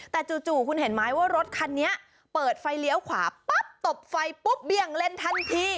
แต่จู่คุณเห็นไหมว่ารถคันนี้เปิดไฟเลี้ยวขวาปั๊บตบไฟปุ๊บเบี้ยงเล่นทันที